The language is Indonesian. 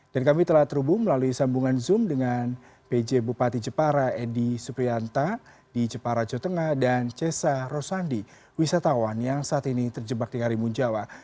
dan kami telah terhubung melalui sambungan zoom dengan pj bupati jepara edi suprianta di jepara jawa tengah dan cesa rosandi wisatawan yang saat ini terjebak di karimun jawa